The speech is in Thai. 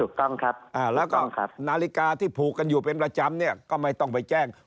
ถูกต้องครับแล้วก็นาฬิกาที่ผูกกันอยู่เป็นประจำเนี่ยก็ไม่ต้องไปแจ้ง